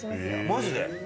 マジで？